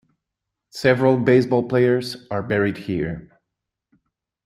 Several baseball players are buried here.